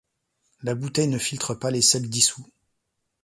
La bouteille ne filtre pas les sels dissous.